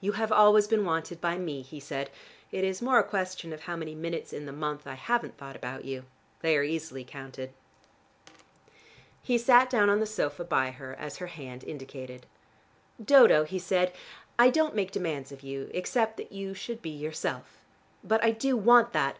"You have always been wanted by me," he said. "It is more a question of how many minutes in the month I haven't thought about you. They are easily counted." He sat down on the sofa by her, as her hand indicated. "Dodo," he said, "I don't make demands of you, except that you should be yourself. But I do want that.